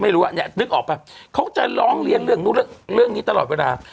ไม่รู้อ่ะนึกออกป่ะเขาจะร้องเรียนเรื่องนี้ตลอดเวลา